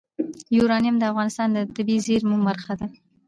یورانیم د افغانستان د طبیعي زیرمو برخه ده.